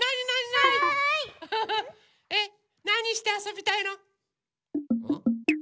なにしてあそびたいの？